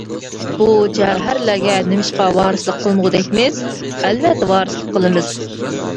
بۇ جەۋھەرلەرگە نېمىشقا ۋارىسلىق قىلمىغۇدەكمىز، ئەلۋەتتە ۋارىسلىق قىلىمىز.